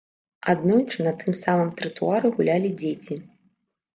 Аднойчы на тым самым тратуары гулялі дзеці.